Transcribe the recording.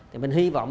thì mình hy vọng